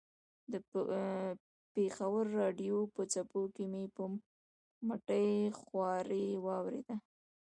د پېښور راډیو په څپو کې مې په مټې خوارۍ واورېده.